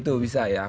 itu bisa ya